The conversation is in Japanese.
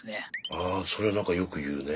あそれ何かよくいうね。